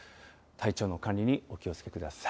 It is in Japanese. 体調の管理にお気をつけください。